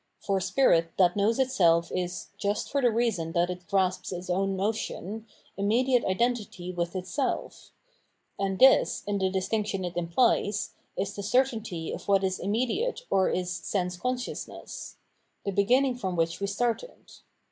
For Spirit that knows itself is, just for the reason that it grasps its own notion, immediate identity with itself ; and this, in the distinc tion it imphes, is the certainty of what is immediate or is sense consciousness — ^the beginning from which we started.